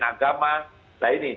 bagaimana mengatasi kondisi